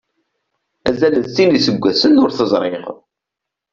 Azal n sin yiseggasen ur tt-ẓriɣ.